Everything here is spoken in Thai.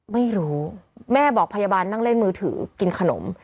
ไม่รู้แม่บอกพยาบาลนั่งเล่นมือถือกินขนม